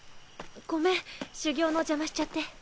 ごめん修行の邪魔しちゃって。